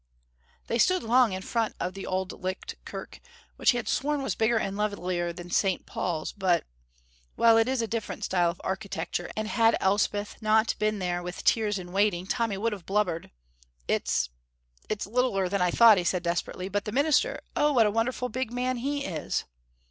They stood long in front of the Auld Licht Kirk, which he had sworn was bigger and lovelier than St. Paul's, but well, it is a different style of architecture, and had Elspeth not been there with tears in waiting, Tommy would have blubbered. "It's it's littler than I thought," he said desperately, "but the minister, oh, what a wonderful big man he is!"